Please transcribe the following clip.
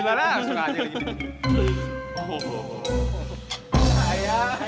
pijit dulu lah